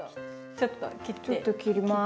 ちょっと切ります。